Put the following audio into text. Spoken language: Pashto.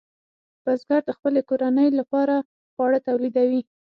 بزګر د خپلې کورنۍ لپاره خواړه تولیدوي.